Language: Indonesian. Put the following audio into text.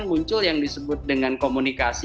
muncul yang disebut dengan komunikasi